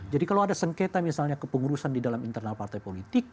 jadi kalau ada sengketa misalnya kepengurusan di dalam internal partai politik